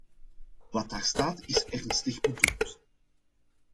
Wat daar staat is ernstig bedoeld.